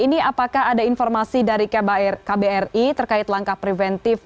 ini apakah ada informasi dari kbri terkait langkah preventif